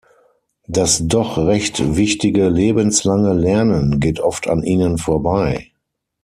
Das doch recht wichtige lebenslange Lernen geht oft an ihnen vorbei.